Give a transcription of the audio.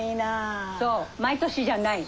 そう毎年じゃない。